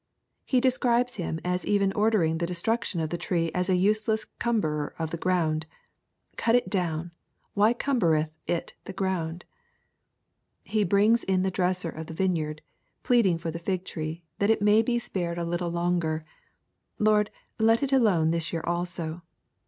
— He describes him as even ordering the destruction of the tree as a useless cumberer of the ground : "Cut it down ; why cumberethit the ground ?" He brings in the dresser of the vineyard pleading for the fig tree, that it may be spared a little longer :" Lord, let it alone this year also."